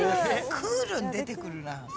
クールに出てくるな。